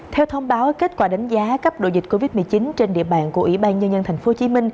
theo thông báo kết quả đánh giá cấp độ dịch covid một mươi chín trên địa bàn của ủy ban nhân dân tp hcm